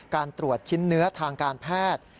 การตรวจชิ้นเนื้อทางการแพทย์